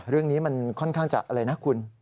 เรื่องนี้มันค่อนข้างจะอะไรนะคุณ